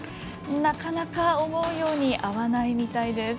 なかなか思うように合わないみたいです。